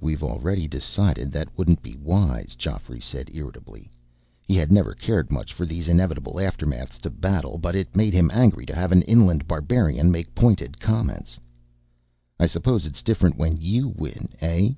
"We've already decided that wouldn't be wise," Geoffrey said irritably. He had never cared much for these inevitable aftermaths to battle, but it made him angry to have an inland barbarian make pointed comments. "I suppose it's different when you win, eh?"